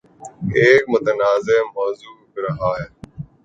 ایک متنازعہ موضوع رہا ہے